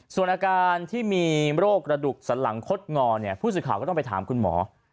ส่วนอาการที่มีโรคกระดูกสันหลังคดงอเนี่ยผู้สื่อข่าวก็ต้องไปถามคุณหมอ